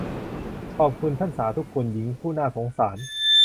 ขอรับ ท่านสาธุคุณ หญิงผู้น่าสงสาร